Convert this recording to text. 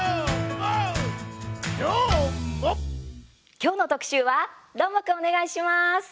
今日の特集はどーもくん、お願いします。